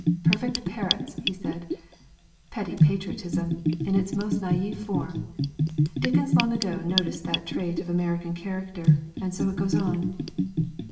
"Perfect parrots," he said. "Petty patriotism, in its most naïve form.... Dickens long ago noticed that trait of American character and so it goes on."